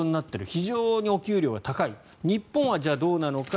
非常にお給料が高い。日本はじゃあどうなのか。